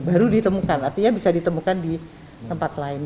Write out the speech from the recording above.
baru ditemukan artinya bisa ditemukan di tempat lain